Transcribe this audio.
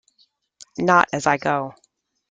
Not as I go.